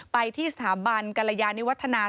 ไปที่สถาบันกรยานิวัฒนา